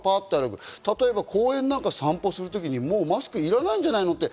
例えば公園などを散歩する時にマスクいらないんじゃないのって